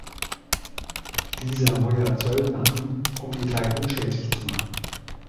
Dieser heuert Söldner an, um die drei unschädlich zu machen.